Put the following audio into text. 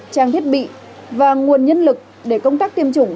trang thiết bị và nguồn nhân lực để công tác tiêm chủng